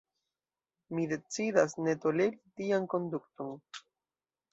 Mi decidas, ne toleri tian konduton.